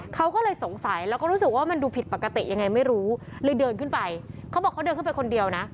เขาก็เลยสงสัยแล้วก็รู้สึกว่ามันดูผิดปกติยังไงไม่รู้เลยเดินขึ้นไปเขาบอกเขาเดินขึ้นไปคนเดียวนะ